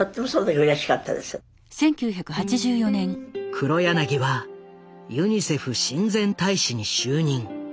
黒柳はユニセフ親善大使に就任。